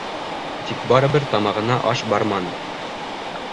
Тик барыбер тамағына аш барманы.